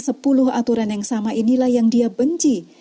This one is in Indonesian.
semua aturan yang sama inilah yang dia benci